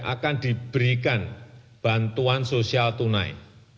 akan diberikan bantuan sosial tunai